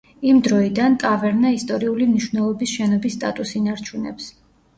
იმ დროიდან, ტავერნა ისტორიული მნიშვნელობის შენობის სტატუსს ინარჩუნებს.